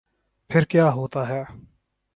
پھر کیا ہوتا ہے۔